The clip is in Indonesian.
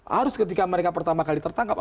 harus ketika mereka pertama kali tertangkap